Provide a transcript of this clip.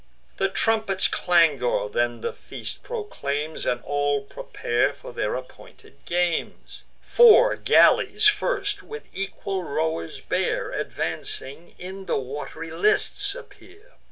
The trumpet's clangour then the feast proclaims, And all prepare for their appointed games. Four galleys first, which equal rowers bear, Advancing, in the wat'ry lists appear.